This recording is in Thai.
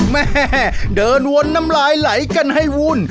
แม่เดินวนน้ำลายไหลกันให้วุ่น